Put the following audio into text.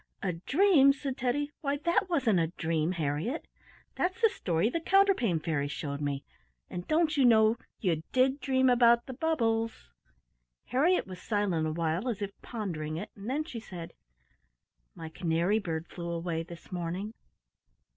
"A dream!" said Teddy. "Why, that wasn't a dream, Harriett. That's the story the Counterpane Fairy showed me. And don't you know you did dream about the bubbles?" Harriet was silent awhile as if pondering it, and then she said, "My canary bird flew away this morning."